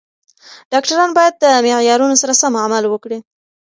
ډاکټران باید د معیارونو سره سم عمل وکړي.